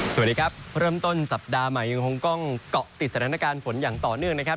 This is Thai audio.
สวัสดีครับเริ่มต้นสัปดาห์ใหม่คลุงคลังกล้อติดแต่นนาคารฝนอย่างต่อเนื่องนะครับ